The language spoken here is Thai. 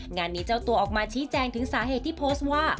งานนี้เจ้าตัวออกมาชี้แจงถึงสาเหตุที่โพสต์ว่า